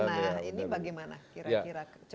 nah ini bagaimana kira kira